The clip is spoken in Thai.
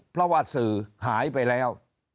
ภาวะสื่อหายไปแล้ว